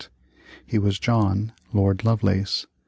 He was John, Lord Lovelace.